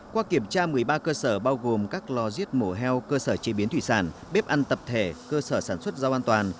qua kiểm tra một mươi ba cơ sở bao gồm các lò giết mổ heo cơ sở chế biến thủy sản bếp ăn tập thể cơ sở sản xuất rau an toàn